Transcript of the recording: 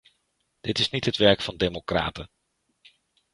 Dit is niet het werk van democraten.